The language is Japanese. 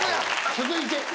続いて。